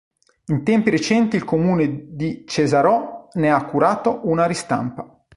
In tempi recenti il Comune di Cesarò ne ha curato una ristampa.